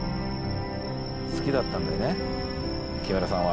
好きだったんだよね木村さんは。